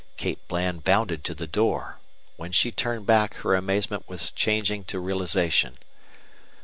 Kate Bland bounded to the door. When she turned back her amazement was changing to realization.